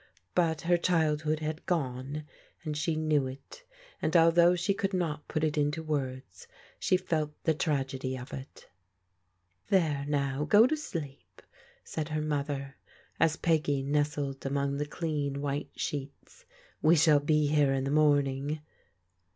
But her childhood had gone, and she knew it, and although she could not put it into words, she felt the tragedy of it. " There now, go to sleep," said her mother, as Peggy nestled among the clean white sheets. "We shall be here in the morning."